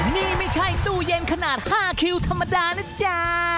นี่ไม่ใช่ตู้เย็นขนาด๕คิวธรรมดานะจ๊ะ